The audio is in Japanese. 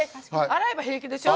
洗えば平気でしょ。